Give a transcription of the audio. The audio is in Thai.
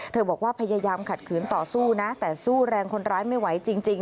บอกว่าพยายามขัดขืนต่อสู้นะแต่สู้แรงคนร้ายไม่ไหวจริง